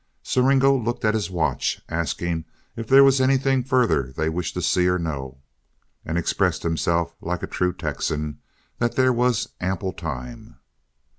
Siringo looked at his watch, asked if there was anything further they wished to see or know, and expressed himself like a true Texan, "that there was ample time."